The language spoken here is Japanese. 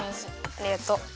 ありがとう！